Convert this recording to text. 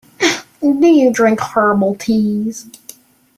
Do you drink herbal teas?